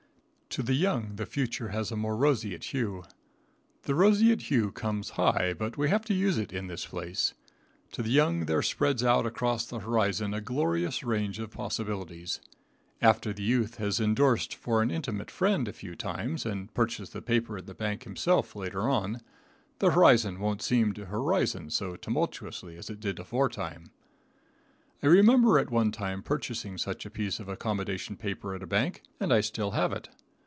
To the young the future has a more roseate hue. The roseate hue comes high, but we have to use it in this place. To the young there spreads out across the horizon a glorious range of possibilities. After the youth has endorsed for an intimate friend a few times, and purchased the paper at the bank himself later on, the horizon won't seem to horizon so tumultuously as it did aforetime. I remember at one time of purchasing such a piece of accommodation paper at a bank, and I still have it.